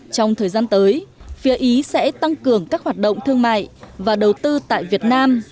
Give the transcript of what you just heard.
trong thời gian tới phía ý sẽ tăng cường các hoạt động thương mại và đầu tư tại việt nam